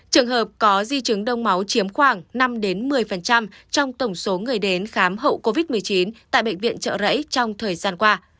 trường hợp có di chứng đông máu chiếm khoảng năm một mươi trong tổng số người đến khám hậu covid một mươi chín tại bệnh viện trợ rẫy trong thời gian qua